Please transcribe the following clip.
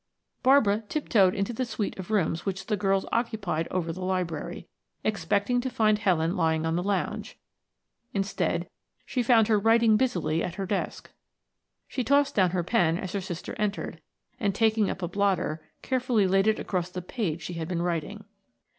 Barbara tip toed into the suite of rooms which the girls occupied over the library, expecting to find Helen lying on the lounge; instead, she found her writing busily at her desk. She tossed down her pen as her sister entered, and, taking up a blotter, carefully laid it across the page she had been writing.